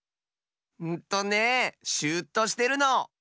んとねシューッとしてるの！